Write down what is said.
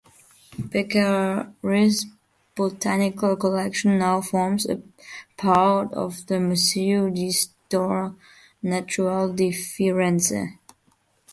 Beccari's botanical collection now forms part of the Museo di Storia Naturale di Firenze.